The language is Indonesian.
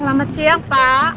selamat siang pak